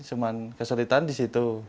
cuman kesulitan di situ